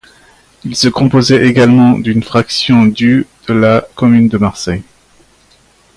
Il se composait également d’une fraction du de la commune de Marseille.